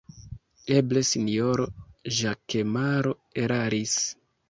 Eble sinjoro Ĵakemaro eraris.